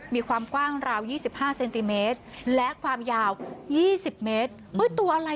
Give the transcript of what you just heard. มีความกว้างราวยี่สิบห้าเซนติเมตรและความยาวยี่สิบเมตรเอ้ยตัวอะไร